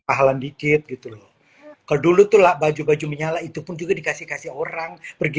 pahlan dikit gitu loh kalau dulu tuhlah baju baju menyala itu pun juga dikasih kasih orang pergi